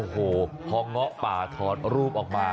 ทองเหงาป่าถอดรูปออกมา